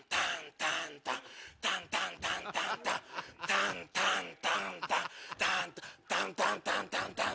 タンタンタンタンタンタンタンタンタン。